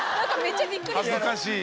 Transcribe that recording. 恥ずかしい。